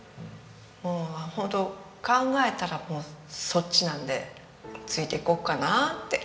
もうホント考えたらそっちなんでついていこうかなって。